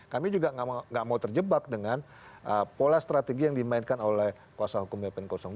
kami juga nggak mau terjebak dengan pola strategi yang dimainkan oleh kuasa hukum bpn dua